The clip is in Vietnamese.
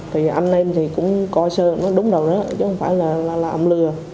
thì anh em thì cũng coi sơ nói đúng đầu đó chứ không phải là ông lừa